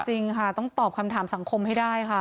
จริงค่ะต้องตอบคำถามสังคมให้ได้ค่ะ